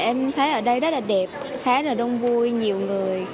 em thấy ở đây rất là đẹp khá là đông vui nhiều người